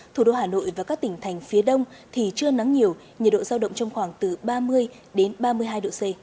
thủ đô hà nội và các tỉnh thành phía đông thì chưa nắng nhiều nhiệt độ giao động trong khoảng từ ba mươi đến ba mươi hai độ c